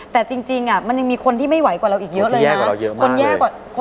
แต่จริงมันยังมีคนที่ไม่ไหวกว่าเราอีกเยอะเลยนะคนที่แย่กว่าเราอีกเยอะมาก